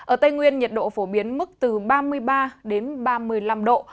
ở tây nguyên nhiệt độ phổ biến mức từ ba mươi ba đến ba mươi năm độ